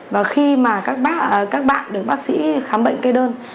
và khi mà các bạn được bác sĩ khám bệnh kê đơn